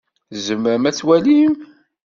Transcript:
Tzemrem ad twalim?